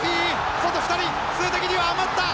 外２人、数的には余った。